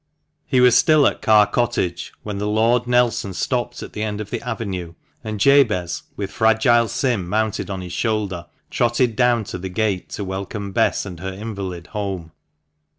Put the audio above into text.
He was still at Carr Cottage when the "Lord Nelson" stopped at the end of the avenue, and Jabez, with fragile Sim mounted on his shoulder, trotted down to the gate to welcome Bess and her invalid home.